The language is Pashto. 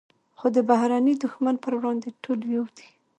خو د بهرني دښمن پر وړاندې ټول یو دي.